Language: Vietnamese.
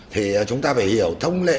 thì chúng ta phải hiểu thông lệ